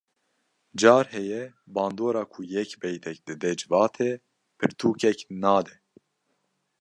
Car heye bandora ku yek beytek dide civatê pitûkek nade